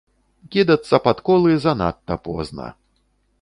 Кідацца пад колы занадта позна.